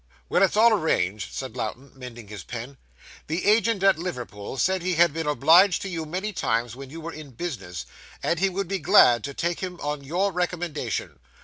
'Well, it's all arranged,' said Lowten, mending his pen. 'The agent at Liverpool said he had been obliged to you many times when you were in business, and he would be glad to take him on your recommendation.